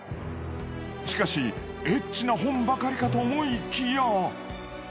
しかしエッチな本ばかりかと思いきや。